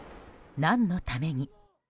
何のために？